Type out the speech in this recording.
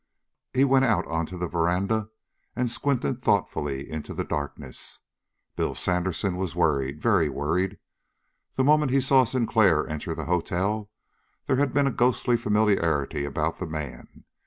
He went out onto the veranda and squinted thoughtfully into the darkness. Bill Sandersen was worried very worried. The moment he saw Sinclair enter the hotel, there had been a ghostly familiarity about the man.